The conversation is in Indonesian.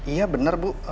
iya benar bu